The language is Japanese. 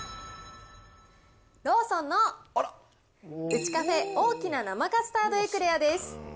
ローソンの、ウチカフェ、大きな生カスタードエクレアです。